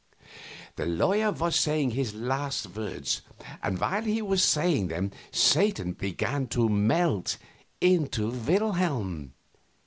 The lawyer was saying his last words; and while he was saying them Satan began to melt into Wilhelm.